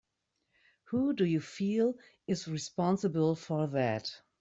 Who do you feel is responsible for that?